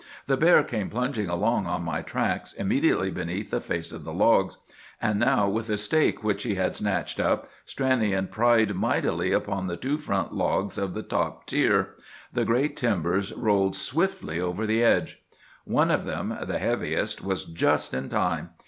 The bear came plunging along on my tracks, immediately beneath the face of the logs. And now, with a stake which he had snatched up, Stranion pried mightily upon the two front logs of the top tier. The great timbers rolled swiftly over the edge. "One of them, the heaviest, was just in time.